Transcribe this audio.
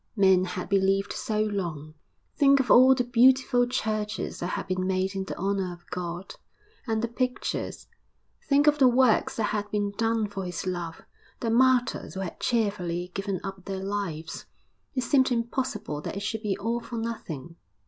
Men had believed so long. Think of all the beautiful churches that had been made in the honour of God, and the pictures. Think of the works that had been done for his love, the martyrs who had cheerfully given up their lives. It seemed impossible that it should be all for nothing.